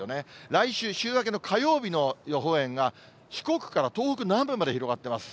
来週、週明けの火曜日の予報円が、四国から東北南部まで広がってます。